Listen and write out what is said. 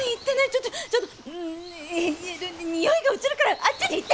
ちょっとちょっと臭いが移るからあっちに行って！